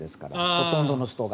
ほとんどの人が。